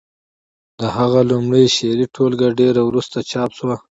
د هغه لومړۍ شعري ټولګه ډېره وروسته چاپ شوه